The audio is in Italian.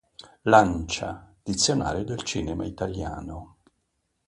Lancia, "Dizionario del cinema italiano.